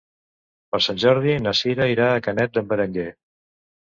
Per Sant Jordi na Sira irà a Canet d'en Berenguer.